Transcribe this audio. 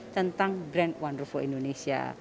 tentang brand wonderful indonesia